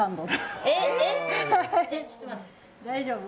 大丈夫。